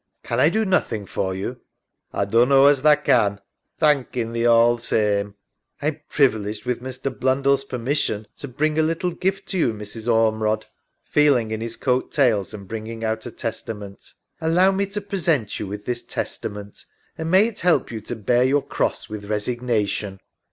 Can I do nothing for you? SARAH. A dunno as tha can, thankin' thee all same. 300 LONESOME LIKE ALLEYNE. I am privileged with Mr. Blundell's permission to bring a little gift to you, Mrs. Ormerod. {Feeling in his coat tails and bringing out a Testament) Allow me to present you with this Testament, and may it help you to bear your Cross with resignation.